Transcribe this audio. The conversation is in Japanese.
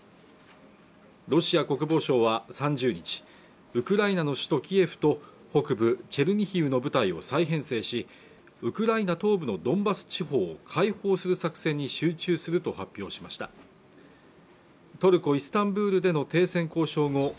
ロシア国防省は３０日ウクライナの首都キエフと北部チェルニヒウの部隊を再編成しウクライナ東部のドンバス地方を解放する作戦に集中すると発表しましたトルコ・イスタンブールでの停戦交渉後